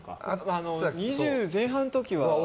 ２０前半の時は。